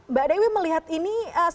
mbak dewi melihat ini